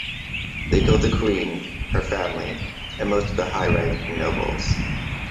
They killed the queen, her family, and most of the high-ranking nobles.